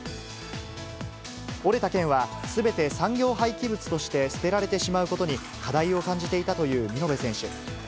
折れた剣はすべて産業廃棄物として捨てられてしまうことに課題を感じていたという見延選手。